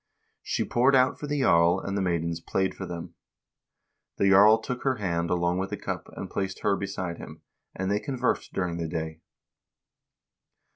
She poured out for the jarl, and the maidens played for them. The jarl took her hand along with the cup and placed her beside him, and they conversed during the day.